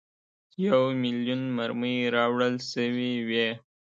یو میلیون مرمۍ راوړل سوي وې.